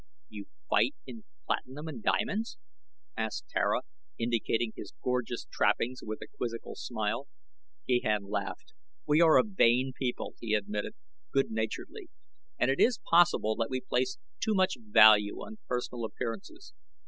"You fight in platinum and diamonds?" asked Tara, indicating his gorgeous trappings with a quizzical smile. Gahan laughed. "We are a vain people," he admitted, good naturedly, "and it is possible that we place too much value on personal appearances.